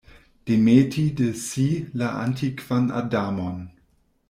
Demeti de si la antikvan Adamon.